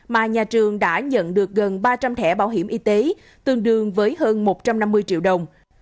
mà nhà trường đã nhận được gần ba trăm linh thẻ bảo hiểm y tế tương đương với hơn một trăm năm mươi triệu đồng